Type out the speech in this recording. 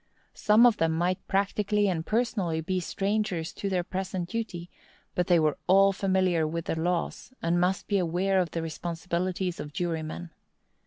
Some of them might practically and personally be strangers to their present duty; but they were all familiar with the laws, and must be aware of the responsibilities of jurymen.